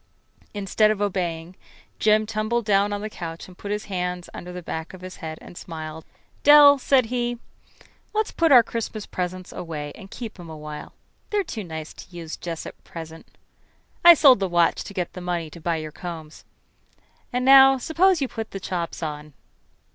Instead of obeying, Jim tumbled down on the couch and put his hand under the back of his head and smiled. "Dell," said he, "let's put our Christmas presents away and keep 'em a while. They're too nice to use just at present. I sold the watch to get the money to buy your combs. And now suppose you put the chops on."